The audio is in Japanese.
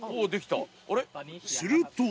すると。